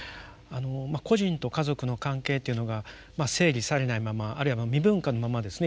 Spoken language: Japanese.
個人と家族の関係っていうのが整理されないままあるいは未分化のままですね